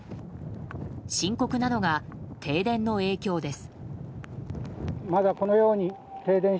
深刻なのが停電の影響です。